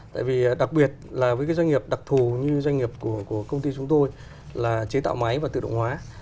tại vì đặc biệt là với cái doanh nghiệp đặc thù như doanh nghiệp của công ty chúng tôi là chế tạo máy và tự động hóa